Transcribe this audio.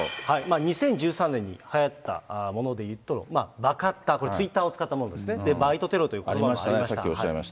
２０１３年にはやったものでいうと、バカッター、これツイッターを使ったものですよね、バイトテロということばもさっきおっしゃいました。